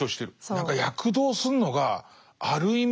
何か躍動するのがある意味